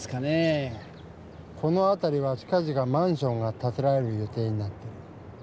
このあたりは近ぢかマンションがたてられる予定になっている。